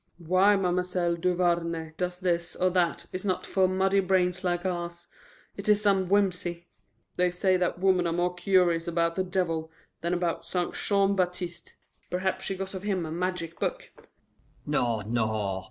Why Ma'm'selle Duvarney does this or that is not for muddy brains like ours. It is some whimsy. They say that women are more curious about the devil than about St. Jean Baptiste. Perhaps she got of him a magic book." "No, no!